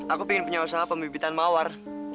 aku pingin punya usaha pemibitan mawar